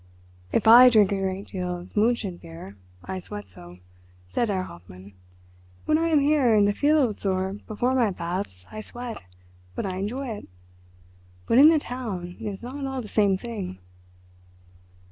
"If I drink a great deal of München beer I sweat so," said Herr Hoffmann. "When I am here, in the fields or before my baths, I sweat, but I enjoy it; but in the town it is not at all the same thing."